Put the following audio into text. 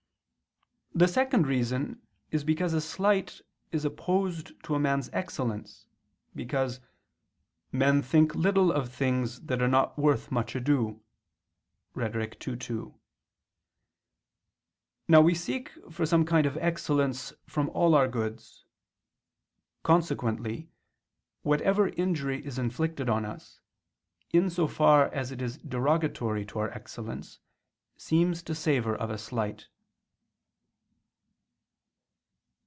The second reason is because a slight is opposed to a man's excellence: because "men think little of things that are not worth much ado" (Rhet. ii, 2). Now we seek for some kind of excellence from all our goods. Consequently whatever injury is inflicted on us, in so far as it is derogatory to our excellence, seems to savor of a slight.